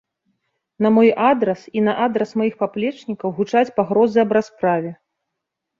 На мой адрас і на адрас маіх паплечнікаў гучаць пагрозы аб расправе.